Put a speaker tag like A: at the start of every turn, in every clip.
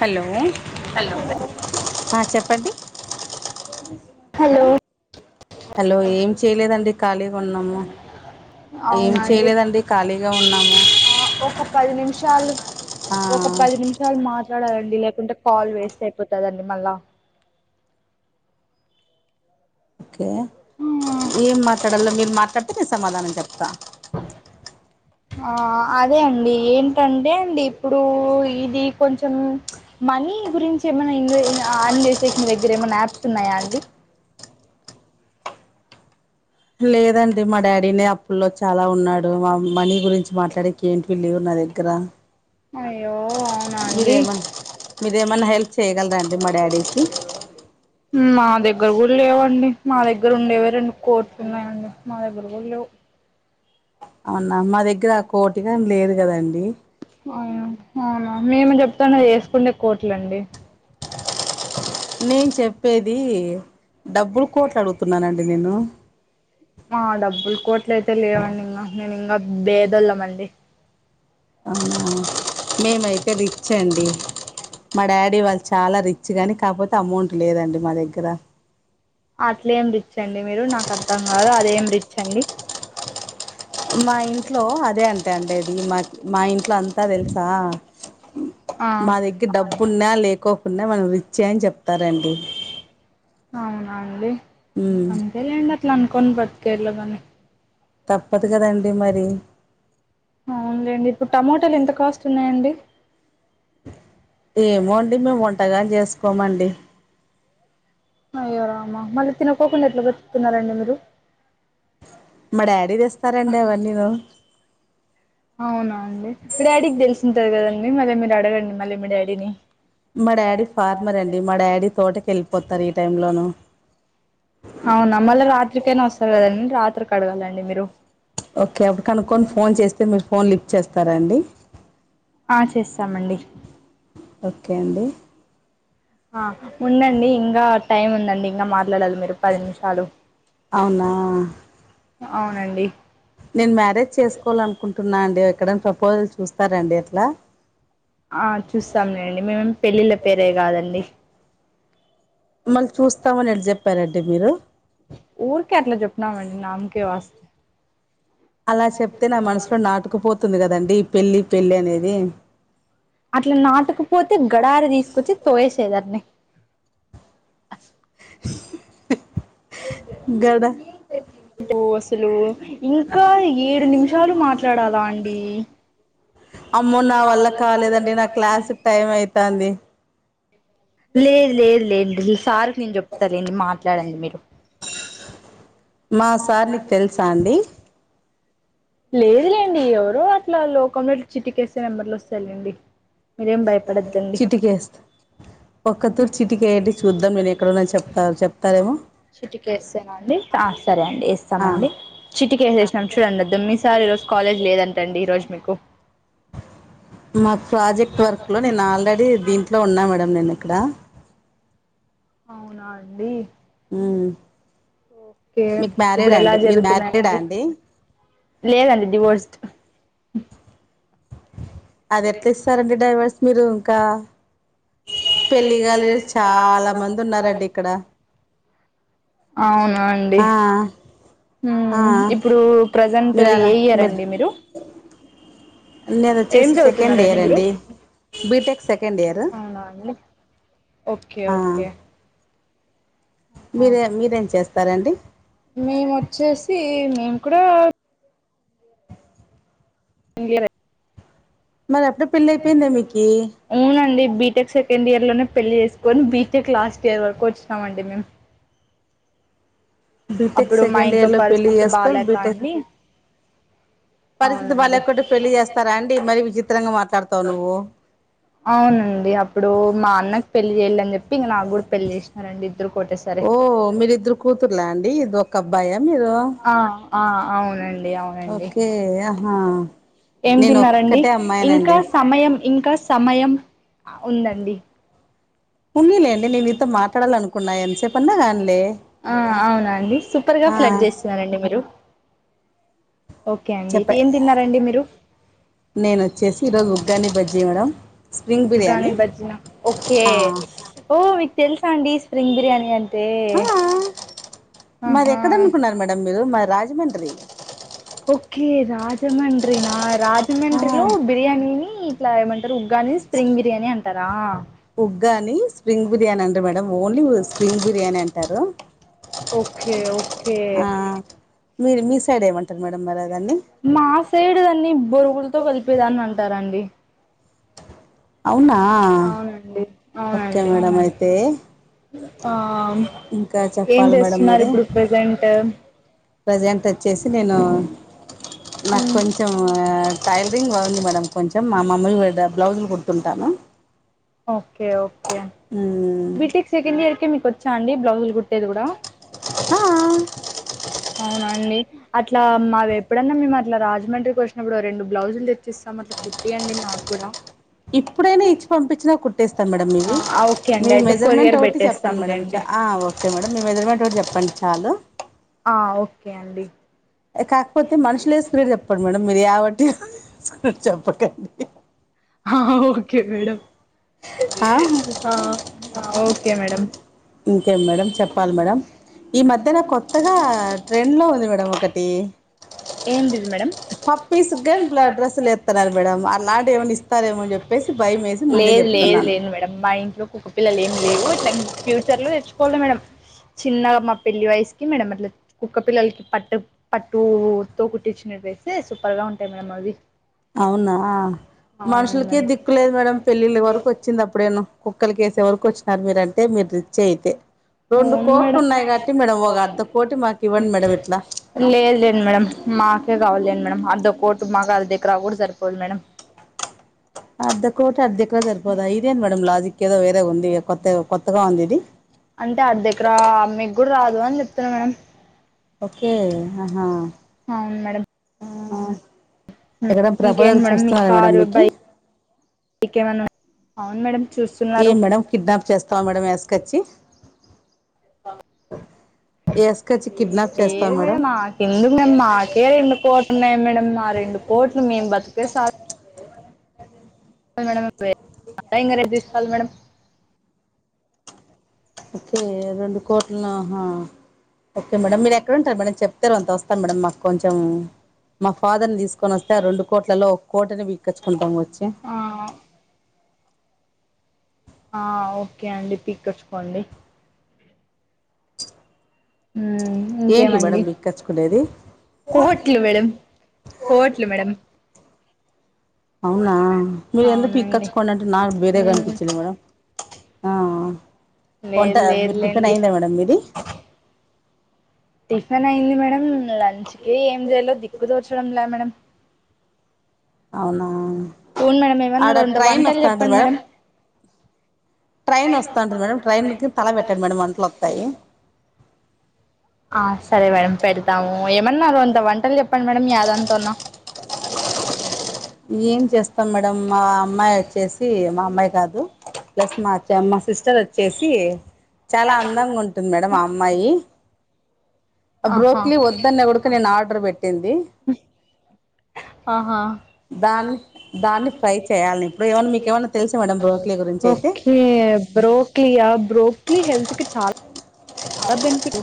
A: Hello
B: hello
A: హా చెప్పండి
B: hello
A: hello ఏం చేయలేదండి ఖాళీగా ఉన్నాము ఏం
B: అవునండి
A: చేయలేదండి ఖాళీగా ఉన్నాం
B: ఆ ఒక పది నిమిషాలు
A: ఆ
B: ఒక పది నిమిషాలు మాట్లాడాల డి లేకుంటే కాల్ వేస్ట్ అయిపోతాది అండి మళ్ళ
A: ఓకే ఏం మాట్లాడల్ల మీరు మాట్లాడితే నేను సమాధానం చెప్తా
B: ఆ అదే అండి ఏంటంటే అండి ఇప్పుడు ఇది కొంచెం మన్ నీ గురించి ఏమైనా ఇన్వె ఆన్ చేసేసి మీ దగ్గర ఏమైనా యాప్స్ ఉన్నాయా అండి
A: లేదండి మా డాడీనే అప్పులో చాలా ఉన్నాడు మా మనీ గురించి మాట్లాడేకి ఏంటివి లేవు నా నా దగ్గర
B: అయ్యో అవునా అండి
A: మీరేమన్నా మీరేమన్నా హెల్ప్ చేయగలరాండి మా డాడీకి
B: మా దగ్గర కూడా లేవండి మా దగ్గర ఉండేవే రెండు కోట్లున్నాయండి మా దగ్గర కూడా లేవ్ [inaudible]
A: న్న మా దగ్గర ఆ కోటిగాని లేదు కదండి
B: అవును అవునా మేము చెప్తాండేది యేసుకుండే కోట్లండి
A: నేను చెప్పేది డబ్బులు కోట్లు అడుగుతున్నానండి నేను
B: ఆ డబ్బులు కోట్ల అయితే లేవండి ఇంగ నేను ఇంకా బేదోళ్ళమండి
A: ఆ మేమైతే రిచ్చండి మా డాడీ వాళ్ళు చాలా రిచ్ గాని కాకపోతే అమౌంట్ లేదండి మా దగ్గర
B: అట్లే ఏం రిచ్ అండి మీరు నాకు అర్థం కాదు అదేం రిచ్ అండి
A: మా ఇంట్లో అదే అంటే అండి ఇది మా మా ఇన్ ట్ అంతా తెల్సా
B: ఆ
A: మా దగ్గర డబ్బున్నా లేకోకున్ మనం రిచ్చే అని చెప్తారండి
B: అవునండి
A: ఉమ్
B: అంతేలేండి అట్లా అనుకోను బ్రతికేయల్ల గాని
A: తప్పత్ కదండి మరి
B: అవున్లేండి ఇప్పుడు టమోటాలు ఎంత కాస్ట్ ఉన్నాయండి
A: ఏమోండి మేము వంటగాన్ చేసుకోమండి
B: అయ్యోరామా మళ్ళీ తినకోకుండ ఎట్లా బతుకుతున్నారండి మీరు
A: మా డాడీ తెస్తారండి అవన్నీను
B: అవునా అండి మీ డాడీకి తెలిసింటది కదండి మళ్ళీ మీరు అడగండి మళ్ళీ మీ డాడీని
A: మా డాడీ ఫార్మర్ అండి మా డాడీ తోటక్ ఎల్పోతారు ఈ టైం లోను
B: అవునా మళ్ళీ రాత్రికైనా వస్తారు కదండి రాత్రికైన అడగాలండి మీరు
A: ఓకే అప్పుడు కనుక్కొని ఫోన్ చేస్తే మీరు ఫోన్ లిఫ్ట్ చేస్తారాండి
B: ఆ చేస్తామండి
A: ఓకే అండి
B: ఆ ఉండండి ఇంగ టైం ఉందండి ఇంకా మాట్లాడాలి మీరు పది నిమిషాలు
A: అవునా
B: అవునండి
A: నేన్ మ్యారేజ్ చేసుకోవాల అనుకుంటున్నా అండి ఎక్కడైనా ప్రపోజల్ చూస్తారండి ఎట్లా
B: ఆ చూస్తాంలేండి మేమేం పెళ్ళిళ్ళ పేరే కాదండి
A: మళ్ చూస్తామని ఎట్ చెప్పారండి మీరు
B: ఊర్కే అట్లా జప్పనామండి నామ్కే వాస్
A: అలా చెప్తే నా మనసులో నాటుకుపోతుంది కదండి ఈ పెళ్లిపెళ్లిి అనేది
B: అట్లా నాటుక్పోతే గడారి తీసుకొచ్చి తోేయేసేయ్ దాన్ని [inaudible]
A: గడా
B: ఒ అసలు ఇంకా ఏడు నిమిషాలు మాట్లాడాలా అండి
A: అమ్మో నా వల్ల కాలేదండి నాక్ క్లాస్ టైం అయితంది
B: లేద్ లేద్ లేద్ ఈ సార్కి నేన్ చెప్తాలేండి మాట్లాడండి మీరు
A: మా సార్ నీక్ తెలుసా అండి
B: లేదులేండి ఎవరు అట్లా లోకంలో చిట్టికేస్తె నెంబర్లు వస్తయ్లేండి మీరేం భయపడద్దండి
A: ఒక్క తూరి చిటికేండి చూద్దాం నేను ఎక్కడన్నా చెప్తా చెప్తారేమో
B: చిటికేస్తేన అండి ఆ సరే అండి
A: ఆ
B: ఇస్తామండి చిటిక వేసేసం చూడండి అద్ద మీ సార్ ఈరోజు కాలేజ్ లేదంటండి ఈరోజు మీకు
A: మాక్ ప్రాజెక్ట్ వర్క్ లో నేను ఆల్రెడీ దీంట్ ట్లో ఉన్నా మేడమ్ నేను ఇక్కడ
B: అవునా అండి
A: ఉమ్
B: ఓకే
A: మీకు
B: ఇప్పుడ
A: మ్యారీడా
B: ఎలా
A: అండి మీరు మ్యారీడా
B: జరుతున్నాయంగడి
A: అండి
B: లేదండి డివోర్స్డ్
A: అది ఎట్లా ఇస్తారండి డ్రైవర్స్ మీరు ఇంకా పెళ్ళిగలేద్ చాలా మంది ఉన్నరండి ఇక్కడ
B: అవున అండి
A: ఆ ఆ
B: ఉమ్ ఇప్పుడు ప్రజెంట్ ఏ ఇయర్ అండి మీరు ఏం
A: నేనచ్చేసి సెకండ్
B: చదువుతున్నారండి
A: ఇయర్
B: మీరు
A: అండి బీటెక్ సెకండ్ ఇయరు
B: అవునా అండి ఓకే ఓకే
A: మీరే మీరేం చేస్తారండి
B: మేమచ్చేసి మేము కూడా ఇంగ్లియరే
A: మరి అప్పుడే పెళ్ళి అయిపోయిందా మీకి
B: అవునండి బీటెక్ సెకండ్ ఇయర్ లోనే పెళ్లి చేసుకొని బీటెక్ లాస్ట్ ఇయర్ వరకు వచ్చినాం అండి మేం
A: బీటెక్
B: మా
A: సెకండ్
B: ఇంట్లో
A: ఇయర్లో పెళ్ళి
B: పరిస్థితి
A: చేసుకొని
B: బాలేక
A: బీటెక్
B: అండి
A: పరిస్థితి
B: అవునండి
A: బాలేకుంటే పెళ్లి చేస్తారా అండి మరి విచిత్రంగా మాట్లాడతావు నువ్వు
B: అవునండి అప్పుడు మా అన్నకి పెళ్లి చేయ్యలని జెప్పి ఇంగ నాకు కూడా పెళ్ చేసినారండి ఇద్దరు ఒకటేసారి
A: ఓ మీరిద్దరు కూతుర్లా అండి ఇది ఒక అబ్బాయా మీరు
B: ఆ ఆ అవునం
A: ఓకే ఆహా
B: ఏం
A: నేను
B: తిన్నారండి
A: ఒక్కటే
B: ఇంకా
A: అమ్మాయినండి
B: సమయం ఇంకా సమయం ఉందండి
A: ఉన్నిలేండి నేన్ నీతో మాట్లాడాలనుకున్నా ఎంతసేప్న్నా కానీలే
B: ఆ అవునా అండి సూపర్ గా
A: ఆ
B: ఫ్లడ్ చేస్తున్నారండి మీరు ఓకే అండి
A: చెప్ప
B: ఏం తిన్నారండి మీరు
A: నేనోచ్చేసి ఈరోజు ఉగ్గాని బజ్జి మేడం స్ప్రింగ్
B: ఉగ్గాన్ని
A: బిర్యానీ
B: బజ్జిన ఓకే
A: ఆ
B: ఓ మీకు తెల్సా అండి స్ప్రింగ్ బిర్యానీ అం
A: ఆ మరి ఎక్కడ
B: ఆహా
A: అనుకున్నారు మేడం మీరు మాది రాజమండ్రి
B: ఓకే రాజమండ్రి నా
A: ఆ
B: రాజమండ్రిలో బిర్యానీని ఇట్లా ఏమంటారు ఉగ్గాన్ని స్ప్రింగ్ బిర్యానీ అంటారా
A: ఉగ్గాన్ని స్ప్రింగ్ బిర్యానీ అన్డ్రు మేడం ఓన్లీ స్ప్రింగ్ బిర్యానీ అంటారు
B: ఓకే ఓకే
A: ఆ మీరు మీ సైడేమంటరు మేడం మరి దాన్ని
B: మా సైడ్ దాన్ని బొరుగులతో కలిపేదాన్ని అంటారాండి
A: అవ్నా
B: అవునండి
A: ఓకే
B: అవునండి
A: మేడం అయితే
B: ఆ
A: ఇంకా
B: ఏం
A: చెప్పాలి మేడం
B: చేస్తున్నారు
A: మరి
B: ఇప్పుడు ప్రజెంట్
A: ప్రజెంట్ వచ్చేసి నేను నాకు కొంచెం టైలరింగ్ బాగుంది మేడం కొంచెం మా మమ్మలుగా బ్లౌజులు కుడుతుంటాను
B: okay okay BTech second year కె మీకు వచ్చా అండి బ్లౌజులు కుట్టేది కూడా
A: ఆ
B: అవునండి అట్లా మావి ఎప్పుడన్నా మిమ్ ఇట్లా రాజమండ్రికి వచ్చినప్పుడు రెండు బ్లౌజులు తెచ్చిస్తాం అట్లా కుట్టియండి మాకు కూడా
A: ఇప్పుడైనా ఇచ్చి పంపించినా కుట్టేస్తా మేడం మీవి
B: ఓకే అండి
A: మీ
B: అయితే కొరియర్
A: మెజర్మెంట్ ఒకటి చెప్పండి మేడం
B: పెట్టేస్తాంలేండి
A: చ ఆ ఓకే మేడం మీ మెజర్మెంట్ ఒకటి చెప్పండి చాలు
B: ఆ ఓకే అండి
A: కాకపోతే మనుషులు ఎస్కునేవి చెప్పండి మేడం మీరు యావన్ టి చెప్పకండి
B: ఓకే మేడం ఆ ఆ ఓకే మేడం
A: ఇంకే మేడం చెప్పాలి మేడం ఈ మధ్యన కొత్తగా ట్రెండ్ లో ఉంది మేడం ఒకటి
B: ఏందిది మేడం
A: పప్పీస్ గాని బ్ల డ్రెస్సులు ఎత్తన్నారు మేడం అలాంటి ఏమైనా ఇస్తారేమో అని చెప్పేసి భయం వేసి ముందే
B: లేదు లేదు
A: చెప్తున్నాను
B: లేండి మేడం మా ఇంట్లో కుక్క పిల్లలు ఏం లేవు ఇట్లా ఫ్యూచర్లో తెచ్చుకోవళ్ళ మేడం చిన్నగా మా పెళ్లి వయసుకి మేడం మట్ల కుక్క పిల్లలకి పట్టు పట్టు తో కుట్టించినటెవేస్తే సూపర్ గా ఉంటాయి మేడమ్ అది
A: అవునా మనుషులకే దిక్కులేదు మేడం పెళ్ళిళ్ళ వరకు వచ్చింది అప్పుడేను కుక్కలకేసే వరకు వచ్చినారు మీరంటే మీరు రిచ్ అయితే రెండు
B: అవును
A: కోట్లు
B: మేడం
A: ఉన్నాయి కాబట్టి మేడం ఒక అర్ధ కోటి మాకు ఇవ్వండి మేడం ఇట్లా
B: లేదులేండి మేడం మాకే కావాలేండి మేడం అర్ధ కో మాకది డేకరా కూడా సరిపోదు మేడం
A: అర్ధ కోటి అర్ధ ఎకరా సర్పోదా ఇదేం మేడం లాజిక్ కేదో వేరేగుంది కొత్త కొత్తగా ఉందిది
B: అంటే అర్ధ ఎకరా అమ్మే కూడా రాదు అని చెప్తున్నా మేడం
A: ఓకే ఆహా
B: అవును మేడం
A: ఎక్కడ
B: ఇంకేంటి
A: ప్రపోజల్
B: మేడం మీ
A: చూస్తున్నారు మేడం
B: కారు
A: మీకి
B: బైక్ ఏమన్నా అవును మేడం
A: ఏం
B: చూస్తున్నారు
A: మేడం కిడ్నాప్ చేస్తావా మేడం ఏసుకొచ్చి
B: ఆ
A: ఎస్కచ్చి
B: లేదు మేడం మాకెందుకు మేము మాకే రెండు కోట్లున్నాయి మేడం మా రెండు కోట్లు మేము బతికితె సా మేడం అ ఇంగరేజ్ తీసుకోవాలి మేడం
A: ఓకే రెండు కోట్లను అహ ఓకే మేడం మీరు ఎక్కడ ఉంటారు మేడం చెప్తే రోంత వస్తను మేడం మాకు కొంచెం మా ఫాదర్ ని తీసుకొని వస్తే ఆ రెండు కోట్లలో కోటని బిక్కచ్చుకుంటాము వచ్చి
B: ఆ ఆ ఓకే అండి పికచ్చుకోండి ఉ
A: ఏంటి
B: ఇంకేమండి
A: మేడం బిక్కచ్చుకునేది
B: కోట్లు మేడం కోట్లు మేడమ్
A: అవునా మీరు ఎందుకు
B: అవునండి
A: పిక్కచ్చుకోండి అంటే నాకు బేరేగా
B: ఉమ్
A: అనిపిచింది మేడం ఆ వంట
B: లేదు
A: మీరు టిఫిన్
B: లేదులేండి
A: అయిందా మేడం మీది
B: టిఫిన్ అయింది మేడం లంచ్ కి ఏం చేయాలో దిక్కు తోచడం లా మేడం
A: అవునా
B: అవును మేడం ఏమన్నా
A: ఆడ
B: రెండు
A: ట్రైన్
B: వంటలు
A: వస్తాంటది
B: చెప్పండి
A: మేడం ట్రైన్ వస్తాంటది మేడం ట్రైన్కి తల పెట్టండి మేడం వంటలు వస్తాయి
B: ఆ సరే మేడం పెడతాము ఏమన్నారు అంత వంటలు చెప్పండి మేడం యాదాంతన్నా [unintelligible]
A: ఏం చేస్తాం మేడం మా అమ్మాయి వచ్చేసి మా అమ్ అమ్మాయి కాదు ప్లస్ మాచ్చ మా సిస్టర్ వచ్చేసి చాలా అందంగా ఉంటుంది మేడం ఆ అమ్మాయి ఆ
B: ఆహా
A: బ్రోక్లీ వద్దన్న కుడుక నేను ఆర్డర్ పెట్టింది
B: అహ
A: దాన్ని దాన్ని ఫ్రై చేయాలి ఇప్పుడు ఏమన్నా మీకు ఏమన్నా తెలుసా మేడం బ్రోక్లీ గురించి అయితే
B: ఓకే బ్రోక్లి ఆ బ్రోక్లీ హెల్త్కి చాలా బెనిఫిట్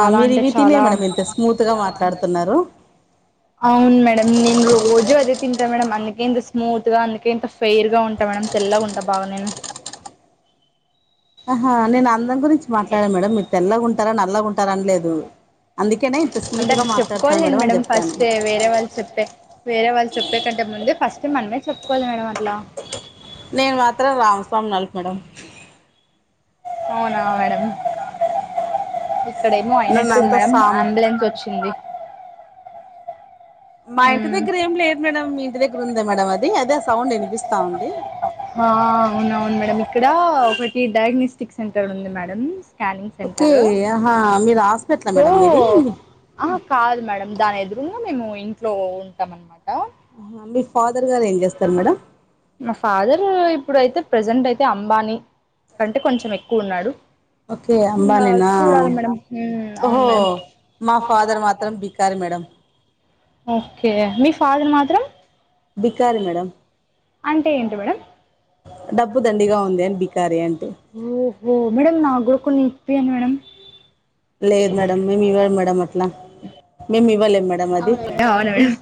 A: ఆ మీరు
B: అంటే
A: ఇవి తినే
B: చాలా
A: మేడం ఇంత స్మూత్ గా మాట్లాడుతున్నారు
B: అవును మేడమ్ నెన్ రోజు అదే తిన్ మాసం అందుకే ఇంత స్మూత్ గా అందుకే ఇంత ఫెయిర్ గా ఉంటా మేడం తెల్లగుంట బాగా నేను [unintelligible]
A: ఆహా నేను అందం గురించి మాట్లాడాను మేడం మీరు తెల్లగా ఉంటారా నల్లగా ఉంటారా అనిలేదు అందు
B: అందరిది చెప్పుకోవాలెండి మేడం ఫస్టే వేరే వాళ్ళు చెప్పే వేరే వాళ్ళు చెప్పే కంటే ముందే ఫస్ట్ మనమే చెప్పుకోల్ల మేడం అట్లా
A: నేను మాత్రం రామస్వామి నాళ్కు మేడం
B: అవునా మేడం ఇక్కడేమో
A: నన్ను
B: అయినట్టుంద్
A: అంత
B: మేడం
A: సామ్
B: అంబులెన్స్ వచ్చింది.
A: మా ఇంటి
B: ఉమ్
A: దగ్గర ఏం లేదు మేడం మీ ఇంటి దగ్గరుందా మేడం అది అదే ఆ సౌండ్ వినిపిస్తా ఉంది.
B: ఇక్కడా ఒకటి డయాగ్నోస్టిక్ సెంటర్ ఉంది మేడమ్స్ స్కానింగ్
A: ఓకే
B: సెంటర్
A: ఆహా మీరు హాస్పిటల్
B: సో
A: మేడం మీది
B: అహ కాదు మేడం దాని ఎదురుంగ మేము ఇంట్లో ఉంటాం అన్నమాట.
A: ఆహా మీర్
B: మా ఫాదర్ ఇప్పుడైతే ప్రెజెంటైతే అమ్ బానీ కంటే కొంచం ఎక్కు ఉన్నాడు.
A: ఓకే
B: ఇంగా
A: అంబానీనా
B: చూడాలి మేడం మ్మ్ అవును
A: ఓహో
B: మేడం
A: మా ఫాదర్ మాత్రం బికారి మేడం.
B: ఓకే మీ ఫాదర్ మాత్రం
A: బికారి మేడం.
B: అంటే ఏంటి మేడం
A: డబ్బు దండిగా ఉంది అని బి కారి అంటే
B: ఓహో! మేడం నాక్ గుడ కొన్ని ఇప్పియండి మేడం
A: లేదు మేడం మేం ఇవ్వం మేడం అట్ల మేం ఇవ్వలేం మే
B: అవునా
A: తమది
B: మేడం